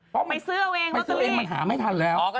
ไปซื้อเอาเองมันหาไม่ทันแล้ว